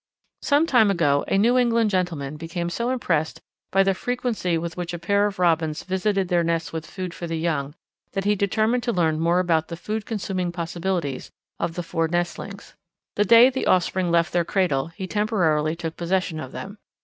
Some time ago a New England gentleman became so impressed by the frequency with which a pair of Robins visited their nest with food for the young that he determined to learn more about the food consuming possibilities of the four nestlings. The day the offspring left their cradle he temporarily took possession of them.